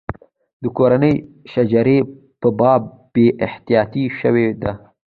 د کورنۍ شجرې په باب بې احتیاطي شوې ده.